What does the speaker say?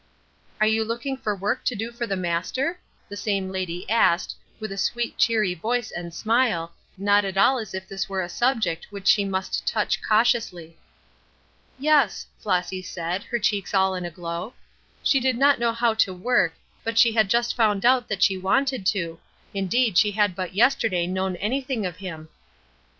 "Are you looking for work to do for the Master?" the same lady asked, with a sweet cheery voice and smile, not at all as if this were a subject which she must touch cautiously. "Yes," Flossy said, her cheeks all in a glow. "She did not know how to work, she had but just found out that she wanted to; indeed she had but yesterday known anything of Him."